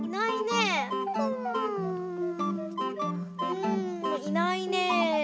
うんいないね。